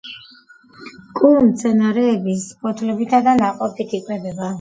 კუ მცენარეების ფოთლებითა და ნაყოფით იკვებება